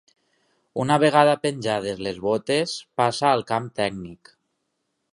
Una vegada penjades les botes, passa al camp tècnic.